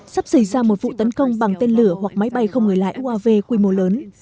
sắp xảy ra một vụ tấn công bằng tên lửa hoặc máy bay không người lái uav quy mô lớn